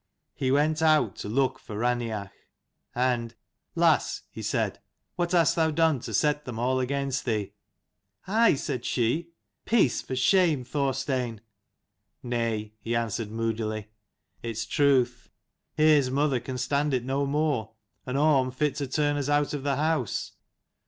He went out to look for Raineach, and " Lass," he said, " what hast thou done to set them all against thee ?" "I?" said she. "Peace for shame, Thor stein!" "Nay," he answered, moodily. "It's truth. Here's mother can stand it no more, and Orm fit to turn us out of the house."